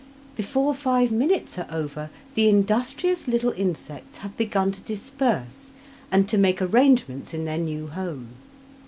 Before five minutes are over the industrious little insects have begun to disperse and to make arrangements in their new home.